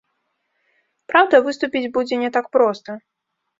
Праўда, выступіць будзе не так проста.